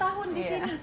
empat puluh tahun di sini